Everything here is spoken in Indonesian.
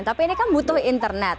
tapi ini kan butuh internet